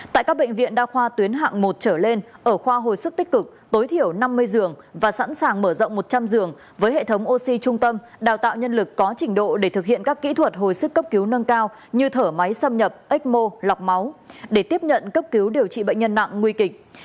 tại các bệnh viện đa khoa tuyến hạng một trở lên ở khoa hồi sức tích cực tối thiểu năm mươi giường và sẵn sàng mở rộng một trăm linh giường với hệ thống oxy trung tâm đào tạo nhân lực có trình độ để thực hiện các kỹ thuật hồi sức cấp cứu nâng cao như thở máy xâm nhập ếch mô lọc máu để tiếp nhận cấp cứu điều trị bệnh nhân nặng nguy kịch